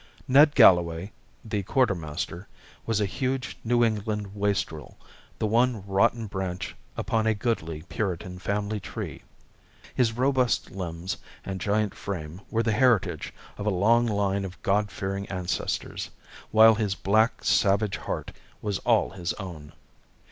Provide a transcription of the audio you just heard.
Ned Galloway, the quartermaster, was a huge New England wastrel, the one rotten branch upon a goodly Puritan family tree. His robust limbs and giant frame were the heritage of a long line of God fearing ancestors, while his black savage heart was all his own.